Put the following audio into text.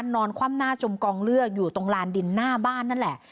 นอนคว่ำหน้าจมกองเลือดอยู่ตรงลานดินหน้าบ้านนั่นแหละ